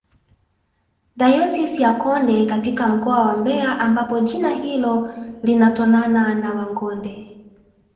dayosisi ya konde katika mkoa wa mbeya ambapo jina hilo linatonana na wangonde